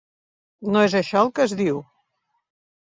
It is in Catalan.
No és això, el que es diu?